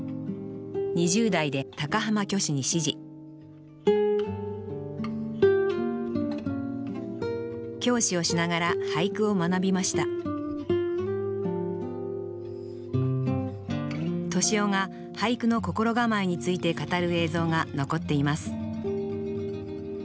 ２０代で高浜虚子に師事教師をしながら俳句を学びました敏郎が俳句の心構えについて語る映像が残っています